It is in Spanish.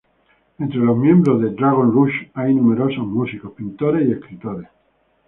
Entre los miembros de Dragon Rouge hay numerosos músicos, pintores y escritores.